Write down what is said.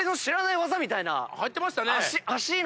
入ってましたね。